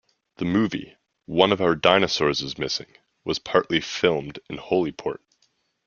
The movie, One of Our Dinosaurs Is Missing, was partly filmed in Holyport.